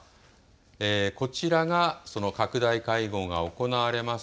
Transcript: こちらがその拡大会合が行われます